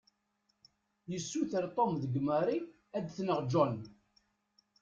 Yessuter Tom deg Mary ad tneɣ john.